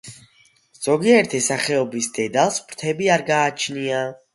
ზოგიერთი სახეობის დედალს ფრთები არ გააჩნია.